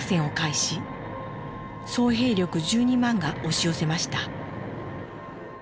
総兵力１２万が押し寄せました。